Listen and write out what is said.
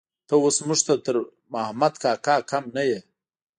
ته اوس موږ ته تر محمد کاکا کم نه يې.